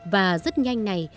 và rất nhanh này